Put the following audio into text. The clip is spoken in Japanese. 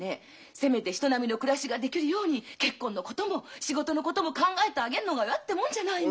せめて人並みの暮らしができるように結婚のことも仕事のことも考えてあげるのが親ってもんじゃないの！